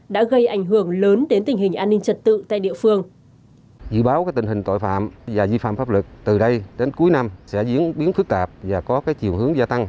đã gây ảnh hưởng lớn đến tình hình an ninh trật tự tại địa phương